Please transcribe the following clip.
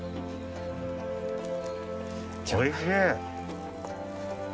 おいしい！